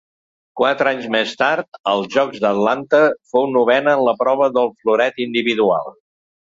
Quatre anys més tard, als Jocs d'Atlanta, fou novena en la prova del floret individual.